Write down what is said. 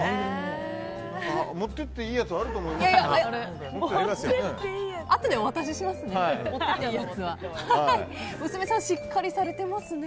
持っていっていいやつあると思いますよ。